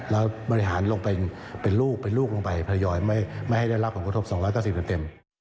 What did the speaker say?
แล้วบริหารลงไปเป็นลูกเป็นลูกลงไปทยอยไม่ให้ได้รับผลกระทบ๒๙๐เต็ม